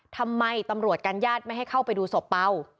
ทำไมตำรวจกันญาติไม่ให้เข้าไปดูศพเปล่า